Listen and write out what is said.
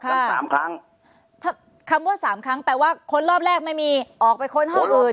สามครั้งถ้าคำว่าสามครั้งแปลว่าคนรอบแรกไม่มีออกไปค้นห้องอื่น